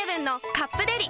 「カップデリ」